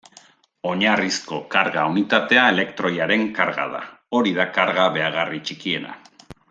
Oinarrizko karga-unitatea elektroiaren karga da; hori da karga behagarri txikiena.